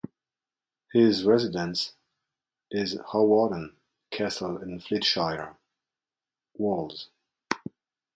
His residence is Hawarden Castle in Flintshire, Wales.